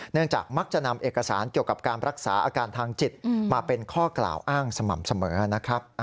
จากมักจะนำเอกสารเกี่ยวกับการรักษาอาการทางจิตมาเป็นข้อกล่าวอ้างสม่ำเสมอนะครับ